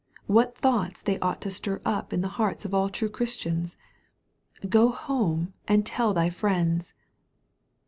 What thoughts they ought to stir up in the hearts of all true Christians !" Go home and tell thy friends."